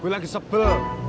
gue lagi sebel